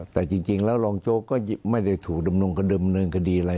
แต่จริงแล้วรองโจ๊กก็ไม่ได้ถูกดำรงเดิมเนินคดีอะไร